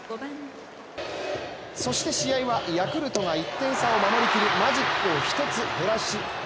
そして試合はヤクルトが１点差を守り切りマジックを１つ減らし、７。